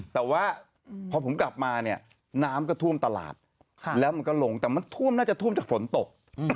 แต่ว่าพอผมกลับมาเนี่ยน้ำก็ท่วมตลาดแล้วมันก็ลงแต่มันท่วมน่าจะท่วมจากฝนตก